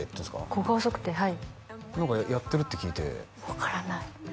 小顔測定はい何かやってるって聞いて分からない